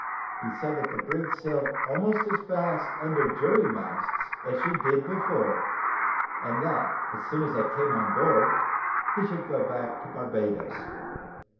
He said, that the brig sailed almost as fast under jury masts as she did before, and that, as soon as I came on board, he should go back to Barbadoes.